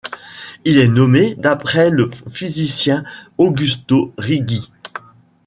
Il est nommé d'après le physicien Augusto Righi.